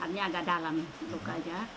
artinya agak dalam luka saja